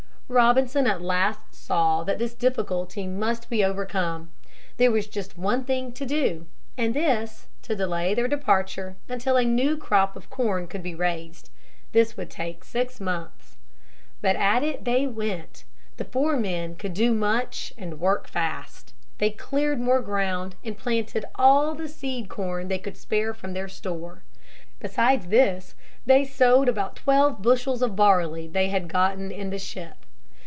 Robinson at last saw that this difficulty must be overcome. There was just one thing to do, and this, to delay their departure until a new crop of corn could be raised. This would take six months. But at it they went. The four men could do much and work fast. They cleared more ground and planted all the seed corn they could spare from their store. Besides this they sowed about twelve bushels of barley they had gotten in the ship.